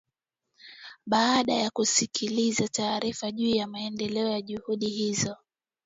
baada ya kusikiliza taarifa juu ya maendeleo ya juhudi hizo